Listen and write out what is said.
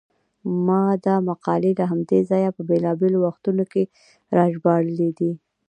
ما دا مقالې له همدې ځایه په بېلابېلو وختونو کې راژباړلې دي.